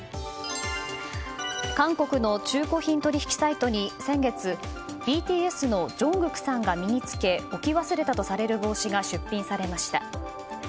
韓国の中古品取引サイトに先月ＢＴＳのジョングクさんが身に着け置き忘れたとされる帽子が出品されました。